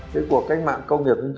cái cuộc cách mạng công nghiệp bốn